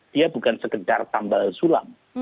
dia bukan segedar tambah sulam